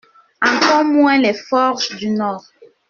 Encore moins les forges du Nord.